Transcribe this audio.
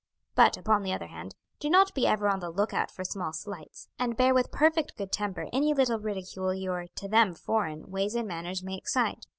But, upon the other hand, do not be ever on the lookout for small slights, and bear with perfect good temper any little ridicule your, to them foreign, ways and manners may excite.